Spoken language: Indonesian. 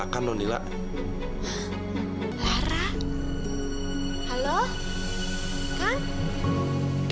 saat itu siapa dia lo hajar mereka